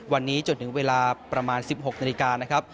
วันนี้จนถึงเวลาประมาณ๑๖นาที